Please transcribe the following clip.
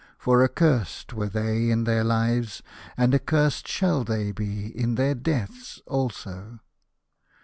For accursed were they in their lives, and accursed shall they be in their deaths also."